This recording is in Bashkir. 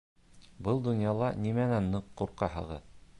— Был донъяла нимәнән ныҡ ҡурҡаһығыҙ?